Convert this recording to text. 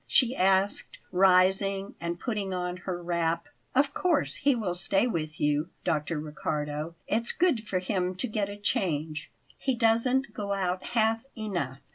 she asked, rising and putting on her wrap. "Of course he will stay with you, Dr. Riccardo; it's good for him to get a change. He doesn't go out half enough."